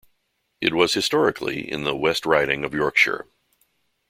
It was historically in the West Riding of Yorkshire.